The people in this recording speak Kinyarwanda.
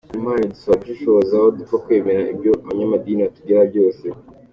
Niba ataravutse ku mezi icyenda nibyo dushaka kumenya.